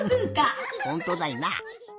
ほんとだいな。